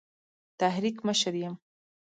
تحریک مشر یم.